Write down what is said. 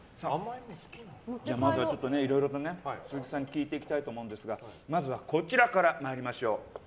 まずは鈴木さんに聞いていきたいと思うんですがまずはこちらから参りましょう。